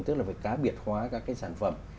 tức là phải cá biệt hóa các cái sản phẩm